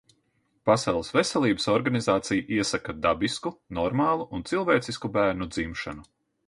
Pasaules Veselības Organizācija iesaka dabisku, normālu un cilvēcisku bērnu dzimšanu.